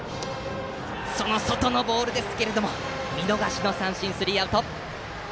外のボールですが見逃し三振、スリーアウト。